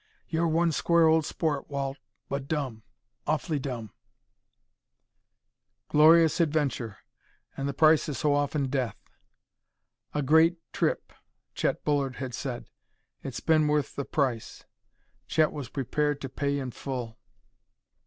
You're one square old sport, Walt, but dumb awfully dumb...." Glorious adventure! and the price is so often death. "A great trip," Chet Bullard had said; "it's been worth the price." Chet was prepared to pay in full.